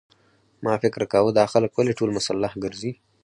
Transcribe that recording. ما فکر کاوه دا خلک ولې ټول مسلح ګرځي.